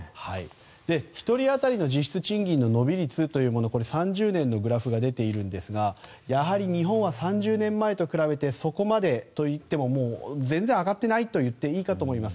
１人当たりの実質賃金の伸び率というのは３０年のグラフが出ているんですがやはり、日本は３０年前と比べてそこまでと言っても全然上がってないと言っていいかと思います。